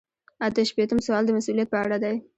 اته شپیتم سوال د مسؤلیت په اړه دی.